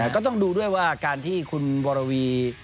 ก็ต้องดูด้วยว่าการที่คุณวรวี